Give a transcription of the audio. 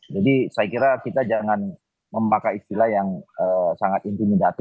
jadi saya kira kita jangan memakai istilah yang sangat intimidasi